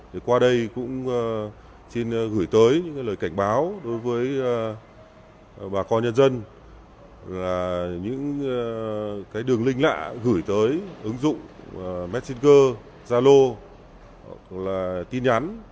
thì qua đây cũng xin gửi tới những lời cảnh báo đối với bà con nhân dân là những cái đường link lạ gửi tới ứng dụng messenger zalo hoặc là tin nhắn